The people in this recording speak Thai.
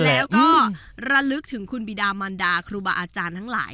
แล้วก็ระลึกถึงคุณบิดามันดาครูบาอาจารย์ทั้งหลาย